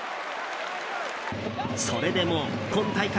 それでも今大会